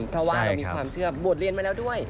เพราะว่าเรามีความเชื่อบวชเรียนมาแล้วด้วย